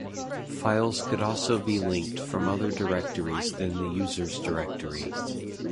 Files could also be linked from other directories than the user's directory.